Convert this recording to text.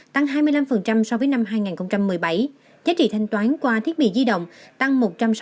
tăng hai mươi năm so với năm hai nghìn một mươi bảy giá trị thanh toán qua thiết bị di động tăng một trăm sáu mươi